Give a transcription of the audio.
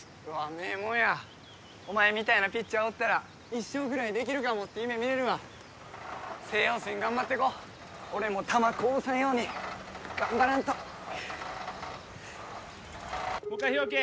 名門やお前みたいなピッチャーおったら１勝ぐらいできるかもって夢見れるわ星葉戦頑張っていこう俺も球こぼさんように頑張らんともっかい日沖！